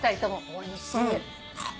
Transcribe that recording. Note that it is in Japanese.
おいしい。